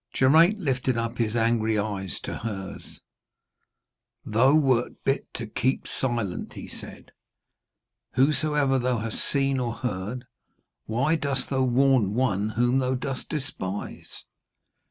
Geraint lifted up his angry eyes to hers: 'Thou wert bid to keep silent,' he said, 'whatsoever thou hast seen or heard. Why dost thou warn one whom thou dost despise?'